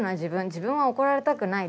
自分は怒られたくない。